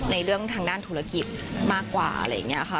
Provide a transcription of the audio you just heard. ในเรื่องทางด้านธุรกิจมากกว่าอะไรอย่างนี้ค่ะ